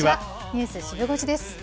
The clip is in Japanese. ニュースシブ５時です。